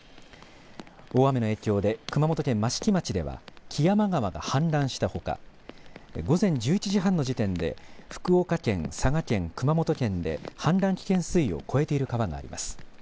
大雨の影響で熊本県益城町では木山川が氾濫したほか午前１１時半の時点で福岡県、佐賀県、熊本県で氾濫危険水位を超えている川があります。